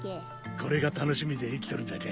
これが楽しみで生きとるじゃけ。